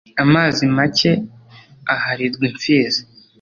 Amazi make aharirwa impfizi.